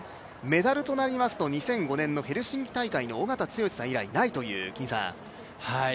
メダルとなりますと２００５年のヘルシンキ大会の尾方剛さん以来ないという。